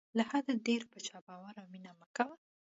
له حده ډېر په چا باور او مینه مه کوه.